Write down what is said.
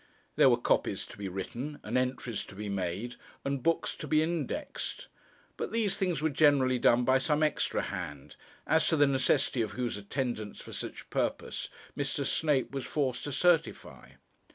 There were copies to be written, and entries to be made, and books to be indexed. But these things were generally done by some extra hand, as to the necessity of whose attendance for such purpose Mr. Snape was forced to certify.